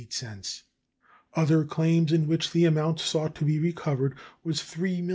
Other claims, in which the amount sought to be recovered was $3,336,837.